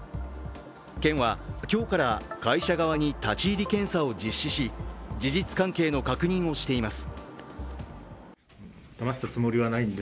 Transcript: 県は、今日から会社側に立ち入り検査を実施し事実関係の確認をしています。